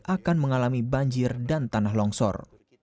akan mengalami banjir dan tanah longsor